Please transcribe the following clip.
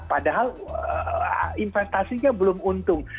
padahal investasinya belum untung